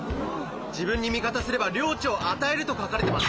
「自分に味方すれば領地をあたえる」と書かれてます。